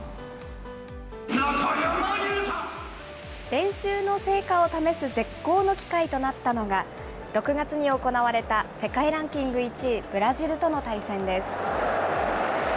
練習の成果を試す絶好の機会となったのが、６月に行われた世界ランキング１位、ブラジルとの対戦です。